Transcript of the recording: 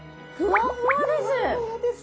ふわふわです。